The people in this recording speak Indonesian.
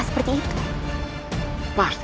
untuk perempuan terkutuk